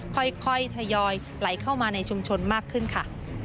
ค่อยทยอยไหลเข้ามาในชุมชนมากขึ้นค่ะ